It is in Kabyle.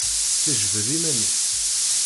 Tejbed iman-is.